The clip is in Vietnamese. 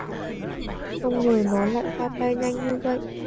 Không ngờ nó lại gia tay nhanh như vậy